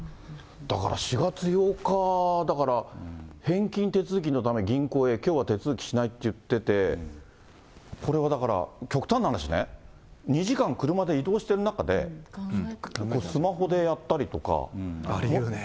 だから４月８日、だから、返金手続きのため銀行へ、きょうは手続きしないって言ってて、これはだから、極端な話、２時間車で移動している中で、スマホでやっありうるね。